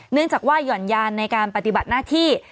เนื่องจากว่าหย่อนยานในการปฏิบัติหน้าที่